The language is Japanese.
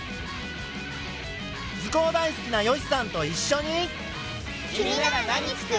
図工大好きなよしさんと一しょに。